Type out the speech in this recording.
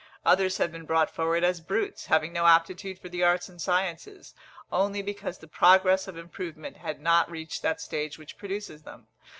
Others have been brought forward as brutes, having no aptitude for the arts and sciences, only because the progress of improvement had not reached that stage which produces them.